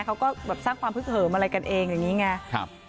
เขาก็แบบสร้างความพึกเหิมอะไรกันเองอย่างนี้ไง